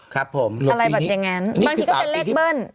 ครับผมอะไรแบบอย่างนั้นบางทีก็เป็นเลขเบิ้ล